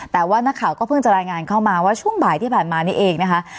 แต่ว่านักข่าวก็เพิ่งจะรายงานเข้ามาว่าช่วงบ่ายที่ผ่านมานี่เองนะคะ